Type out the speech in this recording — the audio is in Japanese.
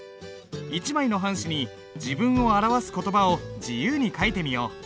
１枚の半紙に自分を表す言葉を自由に書いてみよう。